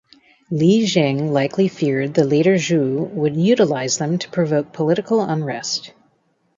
Li Jing likely feared the Later Zhou would utilize them to provoke political unrest.